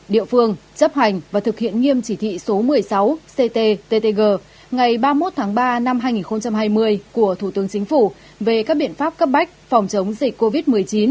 thực hiện nghiêm chỉ thị số một mươi sáu ct ttg ngày ba mươi một tháng ba năm hai nghìn hai mươi của thủ tướng chính phủ về các biện pháp cấp bách phòng chống dịch covid một mươi chín